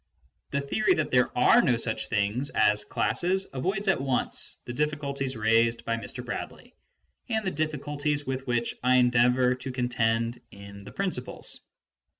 The theory that there are no such things as classes avoids at once the difficulties raised by Mr. Bradley and the difficulties with which I endeavour to contend in the Principles.